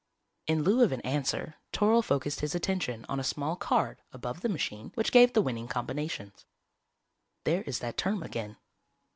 _" In lieu of an answer Toryl focused his attention on a small card, above the machine, which gave the winning combinations. "_There is that term again.